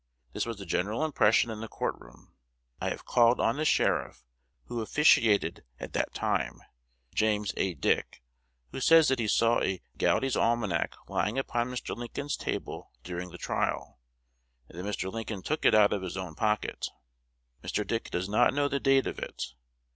This was the general impression in the court room. I have called on the sheriff who officiated at that time (James A. Dick), who says that he saw a 'Goudy's Almanac' lying upon Mr. Lincoln's table during the trial, and that Mr. Lincoln took it out of his own pocket. Mr. Dick does not know the date of it.